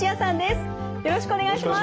よろしくお願いします。